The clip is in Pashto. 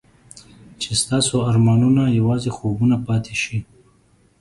چې ستاسو ارمانونه یوازې خوبونه پاتې شي.